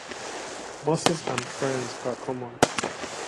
Mosses and ferns are common.